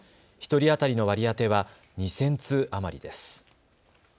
１人当たりの割り当ては２０００通余りです。